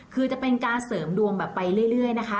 คือจะเป็นการเสริมดวงแบบไปเรื่อยนะคะ